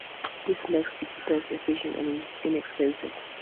This makes it space efficient and inexpensive.